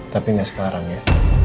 tapi gak sekarang ya